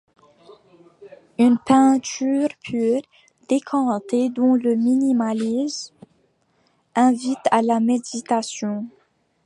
Une peinture pure, décantée dont le minimalisme invite à la méditation.